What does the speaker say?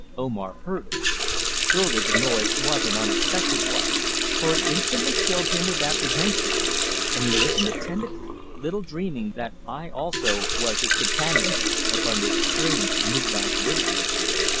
Omar heard it. Surely the noise was an unexpected one, for it instantly filled him with apprehension, and he listened attentively, little dreaming that I also was his companion upon this strange midnight vigil.